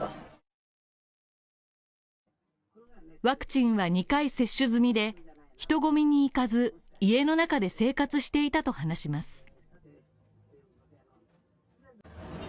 ワクチンは２回接種済みで、人混みに行かず、家の中で生活していたと話します。